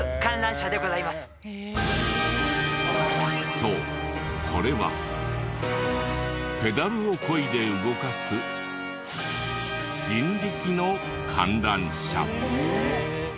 そうこれはペダルをこいで動かす人力の観覧車。